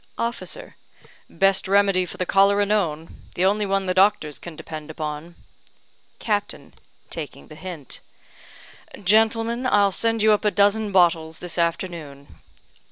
Officer: "Best remedy for the cholera known. The only one the doctors can depend upon." Captain (taking the hint): "Gentlemen, I'll send you up a dozen bottles this afternoon."